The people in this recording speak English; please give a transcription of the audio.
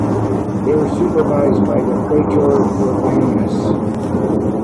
They were supervised by the "praetor urbanus".